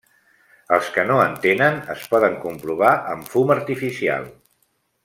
Els que no en tenen es poden comprovar amb fum artificial.